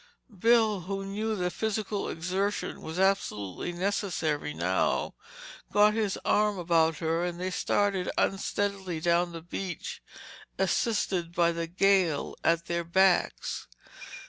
Bill, who knew that physical exertion was absolutely necessary now, got his arm about her and they started unsteadily down the beach assisted by the gale at their backs.